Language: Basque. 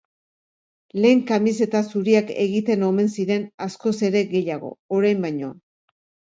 Lehen kamiseta zuriak egiten omen ziren askoz ere gehiago, orain baino.